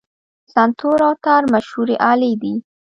سنتور او تار مشهورې الې دي.